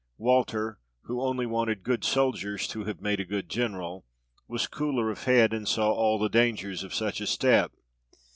Walter, who only wanted good soldiers to have made a good general, was cooler of head, and saw all the dangers of such a step.